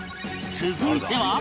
続いては